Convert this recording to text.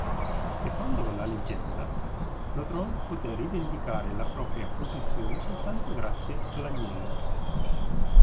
Secondo la leggenda, Lodron poté rivendicare la propria posizione soltanto grazie all'agnello.